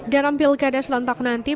dalam pilkadas rentak nanti